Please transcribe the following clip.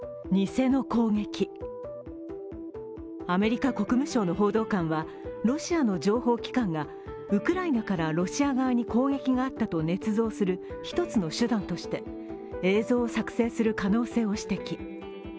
アメリカ国務省の報道官はロシアの情報機関がウクライナからロシア側に攻撃があったとねつ造する一つの手段として映像を作成する可能性を指摘。